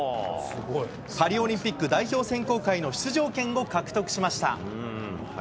パリオリンピック代表選考会の出場権を獲得しました。